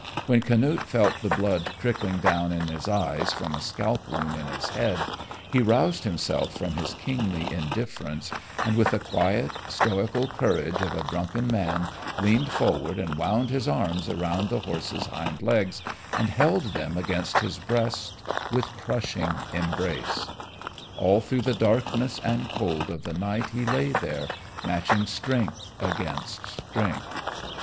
When Canute felt the blood trickling down in his eyes from a scalp wound in his head, he roused himself from his kingly indifference, and with the quiet stoical courage of a drunken man leaned forward and wound his arms about the horse's hind legs and held them against his breast with crushing embrace. All through the darkness and cold of the night he lay there, matching strength against strength.